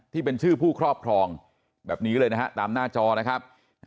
ที่เป็นชื่อผู้ครอบครองแบบนี้เลยนะฮะตามหน้าจอนะครับ